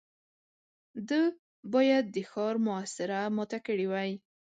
ده بايد د ښار محاصره ماته کړې وای.